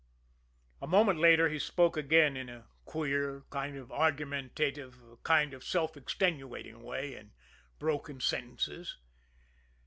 A moment later he spoke again in a queer, kind of argumentative, kind of self extenuating way in broken sentences.